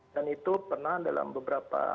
dan itu pernah dalam beberapa